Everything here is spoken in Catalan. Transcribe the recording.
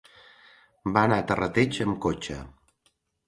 Va anar a Terrateig amb cotxe.